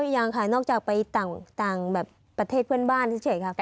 อ๋อยังค่ะนอกจากไปต่างประเทศเพื่อนบ้านเฉยครับ